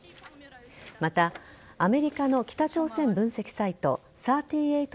また、アメリカの北朝鮮分析サイト３８